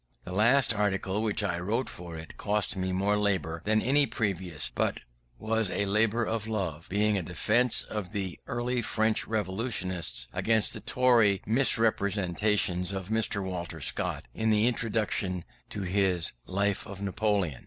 The last article which I wrote in it had cost me more labour than any previous; but it was a labour of love, being a defence of the early French Revolutionists against the Tory misrepresentations of Sir Walter Scott, in the introduction to his Life of Napoleon.